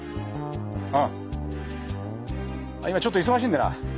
今ちょっと忙しいんでな。